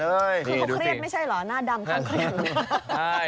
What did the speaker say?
เครียดโตเตอร์ไม่ใช่หรือหน้าดำทั้งขวินใช่